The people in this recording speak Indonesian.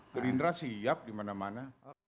gerindra siap dimana mana